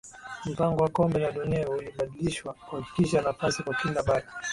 mpango wa kombe la dunia ulibadilishwa kuhakikisha nafasi kwa kila bara